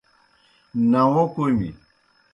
ناوو کوْمیْ۔